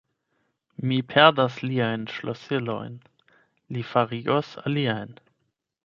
Mi perdas liajn ŝlosilojn: li farigos aliajn.